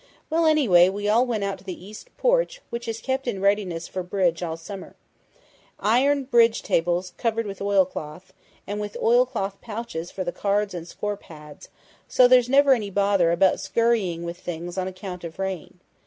Well, anyway, we all went out to the east porch, which is kept in readiness for bridge all summer. Iron bridge tables, covered with oilcloth, and with oilcloth pouches for the cards and score pads, so there's never any bother about scurrying in with things on account of rain.